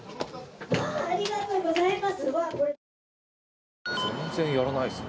わあありがとうございます。